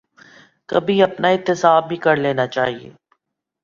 کبھی اپنا احتساب بھی کر لینا چاہیے۔